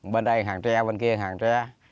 bên đây hàng tre bên kia hàng tre